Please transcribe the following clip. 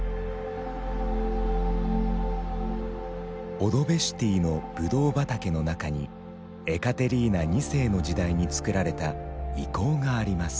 オドベシュティのぶどう畑の中にエカテリーナ２世の時代につくられた遺構があります。